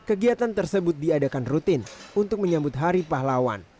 kegiatan tersebut diadakan rutin untuk menyambut hari pahlawan